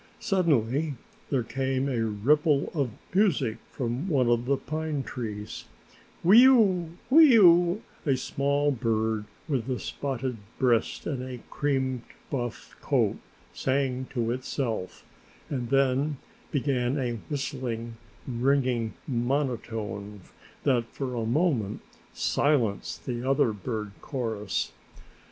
Suddenly there came a ripple of music from one of the pine trees, "Whee you, whee you," a small bird with a spotted breast and a cream buff coat sang to itself and then began a whistling, ringing monotone that for a moment silenced the other bird chorus.